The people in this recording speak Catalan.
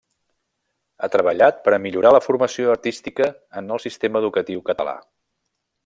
Ha treballat per a millorar la formació artística en el sistema educatiu català.